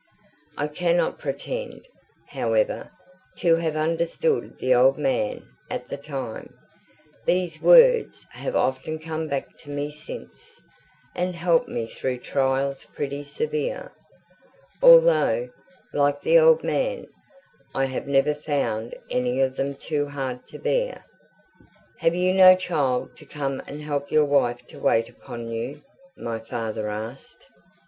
I cannot pretend, however, to have understood the old man at the time, but his words have often come back to me since, and helped me through trials pretty severe, although, like the old man, I have never found any of them too hard to bear. "Have you no child to come and help your wife to wait upon you?" my father asked.